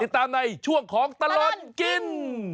ตามในช่วงของตลอดกิน